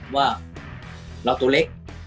ว่าเราตัวเล็ก